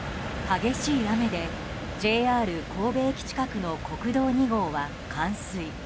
激しい雨でＪＲ神戸駅近くの国道２号は冠水。